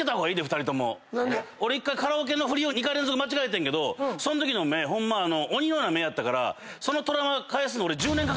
俺１回カラオケの振りを２回連続間違えてんけどそんときの目ホンマ鬼のような目やったからその。